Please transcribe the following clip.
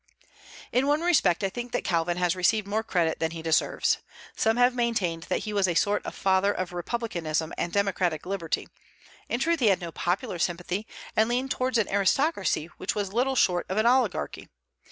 In one respect I think that Calvin has received more credit than he deserves. Some have maintained that he was a sort of father of republicanism and democratic liberty. In truth he had no popular sympathies, and leaned towards an aristocracy which was little short of an oligarchy.